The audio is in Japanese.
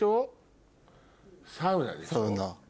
サウナ。